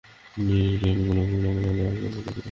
ডিটেলগুলো ভুলে যাওয়ার জন্য দুঃখিত।